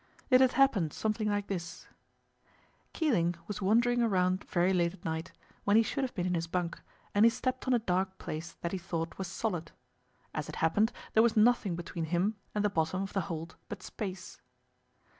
It had happened something like this: Keeling was wandering around very late at night, when he should have been in his bunk, and he stepped on a dark place that he thought was solid. As it happened, there was nothing between him and the bottom of the hold but space.